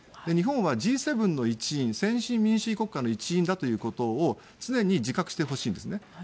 日本はＧ７の一員先進民主主義国家の一員ということを常に自覚してほしいんですね。